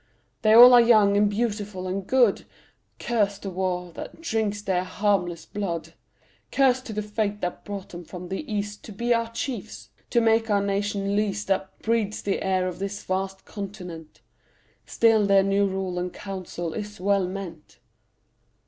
They all are young and beautiful and good; Curse to the war that drinks their harmless blood. Curse to the fate that brought them from the East To be our chiefs to make our nation least That breathes the air of this vast continent. Still their new rule and council is well meant.